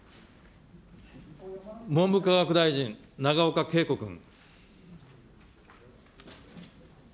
文部科学大臣、永岡桂子君。